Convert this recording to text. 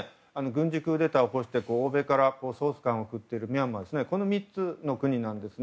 軍事クーデターを起こして欧米から総スカンを食らっているミャンマーの３つの国です。